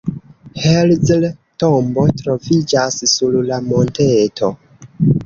Herzl tombo troviĝas sur la monteto.